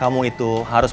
aku gua udah lihat